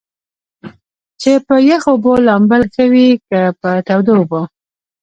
چې پۀ يخو اوبو لامبل ښۀ وي کۀ پۀ تودو اوبو ؟